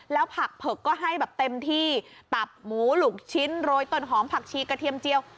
แล้วผักเผือกก็ให้แบบเต็มที่ตับหมูหลุกชิ้นโรยต้นหอมผักชีกระเทียมเจียว